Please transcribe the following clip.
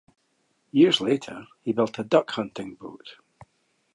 Years later, he built a duck hunting boat.